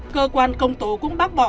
cơ quan công tố cũng bác bỏ